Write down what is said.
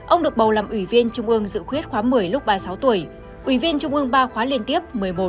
ông được bầu làm ủy viên trung ương dự khuyết khóa một mươi lúc ba mươi sáu tuổi ủy viên trung ương ba khóa liên tiếp một mươi một một mươi hai một mươi ba